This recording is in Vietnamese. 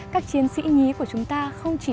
các chiến sĩ nhí của chúng ta không chỉ